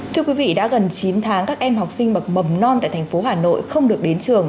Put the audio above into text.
thưa quý vị đã gần chín tháng các em học sinh bậc mầm non tại thành phố hà nội không được đến trường